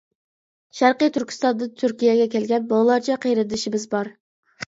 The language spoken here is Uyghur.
شەرقىي تۈركىستاندىن تۈركىيەگە كەلگەن مىڭلارچە قېرىندىشىمىز بار.